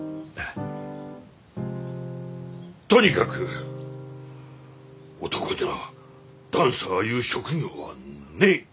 とにかく男にゃあダンサーいう職業はねえ！